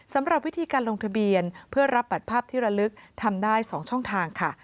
สำหรับวิธีการลงทะเบียนเพื่อรับบัตรภาพที่ระลึกทำได้๒ช่องทางค่ะ